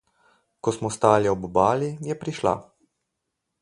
Ko smo stali ob obali, je prišla.